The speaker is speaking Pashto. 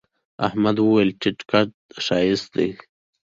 احمد وويل: تيت قد ښایست دی.